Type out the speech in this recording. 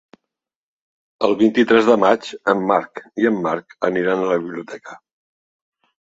El vint-i-tres de maig en Marc i en Marc aniran a la biblioteca.